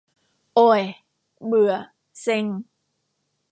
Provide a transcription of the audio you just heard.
โอ่ย เบื่อ เซ็ง